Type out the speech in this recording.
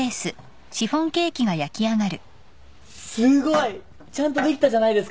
すごい！ちゃんとできたじゃないですか。